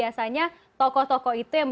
karen perlu tokoh tokoh mana